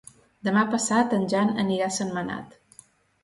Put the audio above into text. Demà passat en Jan anirà a Sentmenat.